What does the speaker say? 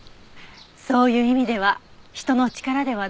そういう意味では人の力では治せない。